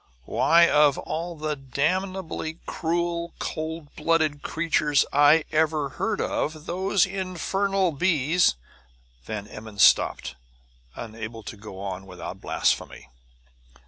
"Why, of all the damnably cruel, cold blooded creatures I ever heard of, those infernal bees " Van Emmon stopped, unable to go on without blasphemy.